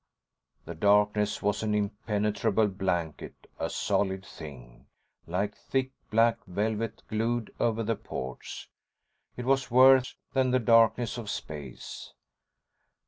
The darkness was an impenetrable blanket, a solid thing, like thick black velvet glued over the ports. It was worse than the darkness of space.